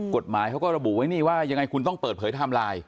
กฎหมายเขาก็ระบุไว้นี่ว่ายังไงคุณต้องเปิดเผยไทม์ไลน์